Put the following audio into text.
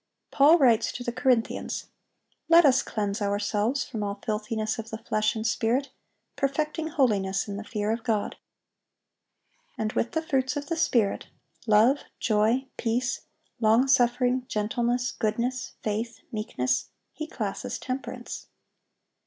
Paul writes to the Corinthians, "Let us cleanse ourselves from all filthiness of the flesh and spirit, perfecting holiness in the fear of God."(815) And with the fruits of the Spirit,—"love, joy, peace, long suffering, gentleness, goodness, faith, meekness,"—he classes "temperance."